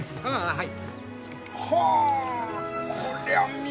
はい！